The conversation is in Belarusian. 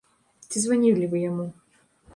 Ці званілі вы яму?